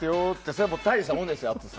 それは大したもんですよ。